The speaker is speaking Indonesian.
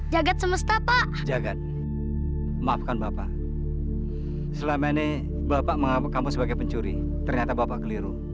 justru bapak yang menganggap kamu sebagai pencuri